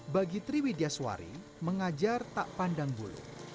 bagi triwidya suwari mengajar tak pandang bulu